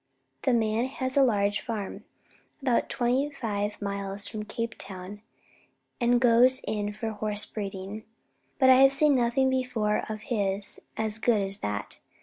The man has a large farm, about twenty five miles from Cape Town, and goes in for horse breeding; but I have seen nothing before of his as good as that.